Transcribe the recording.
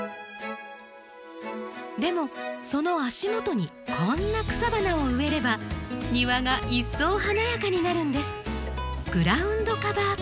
でもその足元にこんな草花を植えれば庭が一層華やかになるんです。